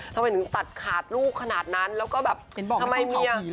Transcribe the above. ทำไมถึงตัดขาดลูกขนาดนั้นแล้วก็แบบทำไมเมีย